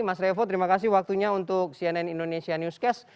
mas revo terima kasih waktunya untuk cnn indonesia newscast